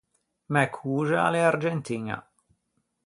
Mæ coxa a l’é argentiña.